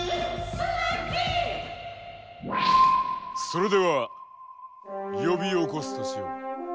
それでは呼び起こすとしよう。